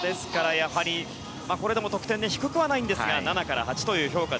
やはり得点、高くはないんですが７から８という評価。